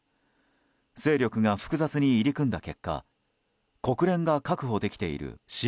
勢力が複雑に入り組んだ結果国連が確保できている支援